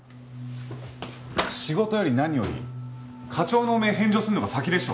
仕事より何より課長の汚名返上するのが先でしょ。